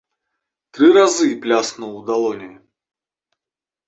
Тры разы пляснуў у далоні.